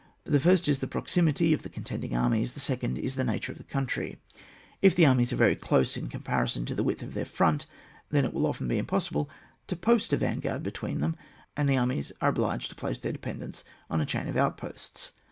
The first is the proximity of the contending armies, the second is the nature of the country. If the armies are very close in com parisoD to the width of their front, then it will often be impossible to post a van guard between them, and the armies are obliged to place their dependence on a chain of outposts.